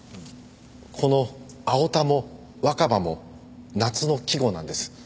この「青田」も「若葉」も夏の季語なんです。